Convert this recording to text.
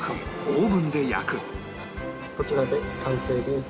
こちらで完成です。